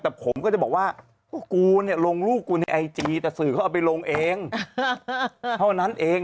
แต่ผมก็จะบอกว่าพวกกูเนี่ยลงรูปกูในไอจีแต่สื่อเขาเอาไปลงเองเท่านั้นเอง